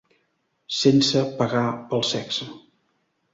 Sense pagar pel sexe.